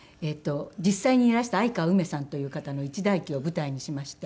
実際にいらした相川うめさんという方の一代記を舞台にしまして。